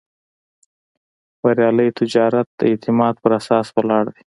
بریالی تجارت د اعتماد پر اساس ولاړ دی.